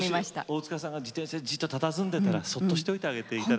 大塚さんが自転車でじっとたたずんでたらそっとしといてあげて頂きたいってことですね。